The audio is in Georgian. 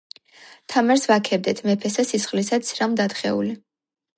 თამარს ვაქებდეთ მეფესა სისხლისა ცრემლ-დათხეული,